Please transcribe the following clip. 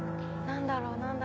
何だろう？